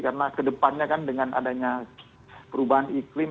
karena kedepannya kan dengan adanya perubahan iklim